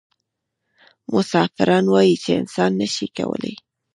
مفسران وايي چې انسان نه شي کولای.